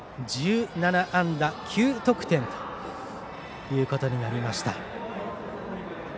１７安打９得点ということになりました。